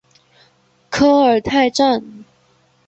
科尔泰站